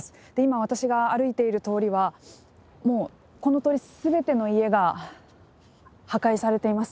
私が歩いている通りはこのとおり全ての家が破壊されています。